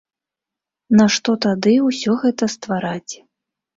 Нашто тады ўсё гэта ствараць?